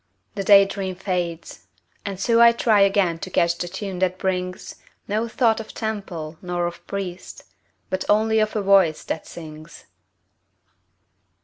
The day dream fades and so I try Again to catch the tune that brings No thought of temple nor of priest, But only of a voice that sings.